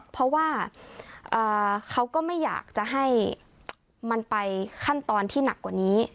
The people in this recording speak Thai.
เพราะว่าเขาก็ไม่อยากจะให้มันไปขั้นตอนที่หนักกว่านี้